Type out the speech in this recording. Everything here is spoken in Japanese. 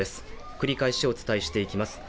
繰り返しお伝えしていきます。